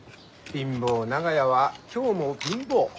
貧乏長屋は今日も貧乏。